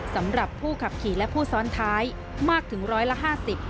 สำหรับผู้ขับขี่และผู้ซ้อนท้ายมากถึงร้อยละห้าสิบ